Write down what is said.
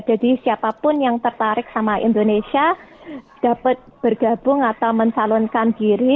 jadi siapa pun yang tertarik sama indonesia dapat bergabung atau mencalonkan diri